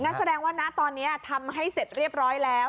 แสดงว่านะตอนนี้ทำให้เสร็จเรียบร้อยแล้ว